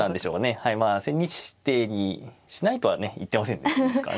はいまあ千日手にしないとはね言ってませんですかね。